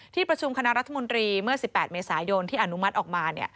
ที่ประชุมคณะรัฐมนตรีเมื่อ๑๘เมษายนที่อนุมัติออกมา